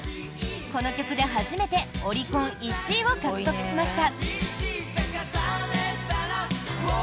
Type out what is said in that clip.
この曲で、初めてオリコン１位を獲得しました。